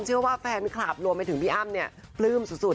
เชื่อว่าแฟนคลับรวมไปถึงพี่อ้ำเนี่ยปลื้มสุด